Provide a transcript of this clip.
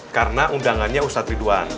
karena undangannya ustad ridwan